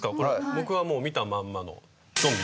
僕はもう見たまんまのゾンビ？